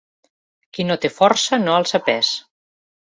Qui no té força no alça pes.